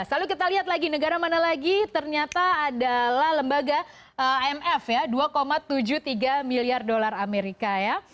lalu kita lihat lagi negara mana lagi ternyata adalah lembaga imf ya dua tujuh puluh tiga miliar dolar amerika ya